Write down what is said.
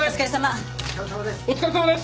お疲れさまです！